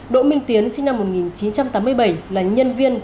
đỗ minh tiến sinh năm một nghìn chín trăm tám mươi bảy là nhân viên